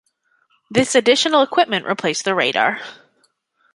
This additional equipment replaced the radar.